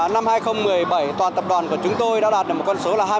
năm hai nghìn một mươi bảy toàn tập đoàn của chúng tôi đã đạt được một con số là hai mươi